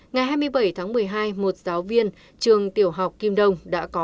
ngày hai mươi bảy tháng một mươi hai một giáo viên trường tiểu học kim đông đã có